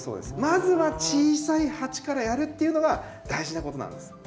まずは小さい鉢からやるっていうのが大事なことなんです。